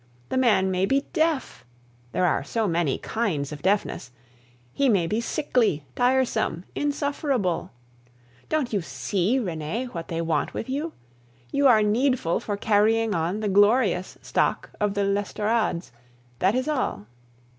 The man may be deaf there are so many kinds of deafness! he may be sickly, tiresome, insufferable! Don't you see, Renee, what they want with you? You are needful for carrying on the glorious stock of the l'Estorades, that is all.